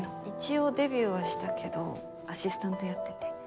一応デビューはしたけどアシスタントやってて。